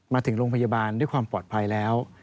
มาถึงโรงพยาบาลด้วยความปลอดภัยแล้ว